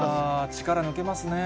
力抜けますね。